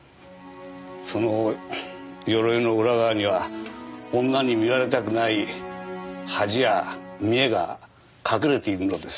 その鎧の裏側には女に見られたくない恥や見栄が隠れているのです。